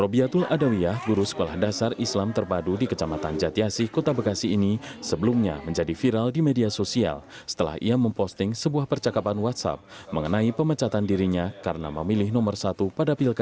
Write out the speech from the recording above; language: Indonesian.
robiatul adawiyah guru sekolah dasar islam terpadu di kecamatan jatiasi kota bekasi ini sebelumnya menjadi viral di media sosial setelah ia memposting sebuah percakapan whatsapp mengenai pemecatan dirinya karena memilih nomor satu pada pilkada